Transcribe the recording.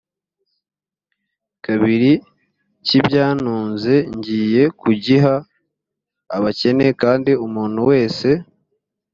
kabiri cy ibyo ntunze ngiye kugiha abakene kandi umuntu wese